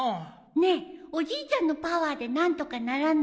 ねえおじいちゃんのパワーで何とかならない？